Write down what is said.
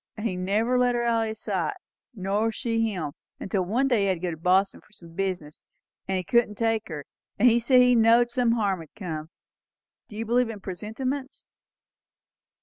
And he never left her out o' his sight, nor she him; until one day he had to go to Boston for some business; and he couldn't take her; and he said he knowed some harm'd come. Do you believe in presentiments."